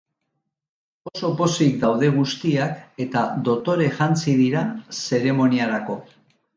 Oso pozik daude guztiak eta dotore jantzi dira zeremoniarako.